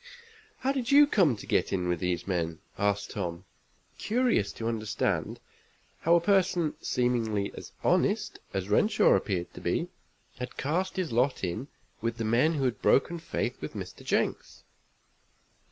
"How did you come to get in with these men?" asked Tom, curious to understand how a person seemingly as honest as Renshaw appeared to be had cast his lot in with the men who had broken faith with Mr. Jenks.